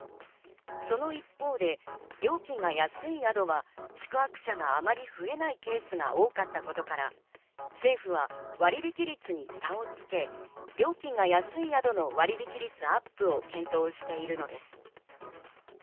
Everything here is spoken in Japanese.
その一方で、料金が安い宿は宿泊者があまり増えないケースが多かったことから、政府は割引率に差をつけ、料金が安い宿の割引率アップを検討しているのです。